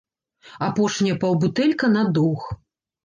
Апошняя паўбутэлька на доўг.